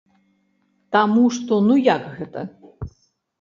Таму што ну як гэта?